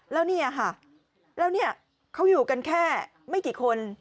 แล้วเนี่ยค่ะแล้วเนี่ยเขาอยู่กันแค่ไม่กี่คน